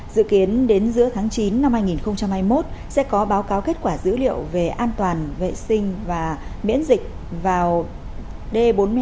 dự kiến đến giữa tháng chín năm hai nghìn hai mươi một sẽ có báo cáo kết quả dữ liệu về an toàn vệ sinh và miễn dịch vào d bốn mươi hai